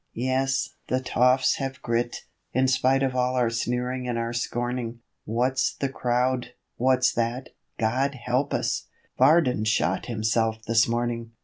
Yes, the toffs have grit, in spite of all our sneering and our scorning What's the crowd? What's that? God help us! Varden shot himself this morning!...